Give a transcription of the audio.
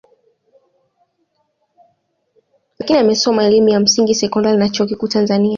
Lakini amesoma elimu ya msingi sekondari na chuo kikuu Tanzania